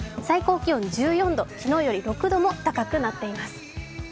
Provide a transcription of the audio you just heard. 最高気温１４度、昨日よりも６度も高くなっています。